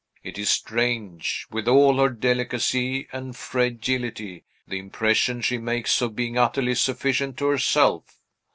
It is strange, with all her delicacy and fragility, the impression she makes of being utterly sufficient to herself.